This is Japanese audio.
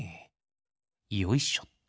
よいしょっと！